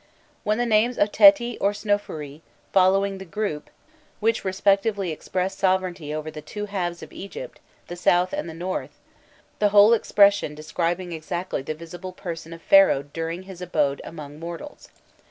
When the names of Teti or Snofrûi, following the group [] which respectively express sovereignty over the two halves of Egypt, the South and the North, the whole expression describing exactly the visible person of Pharaoh during his abode among mortals.